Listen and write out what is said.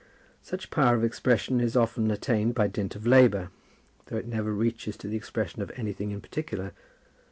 Such power of expression is often attained by dint of labour, though it never reaches to the expression of anything in particular.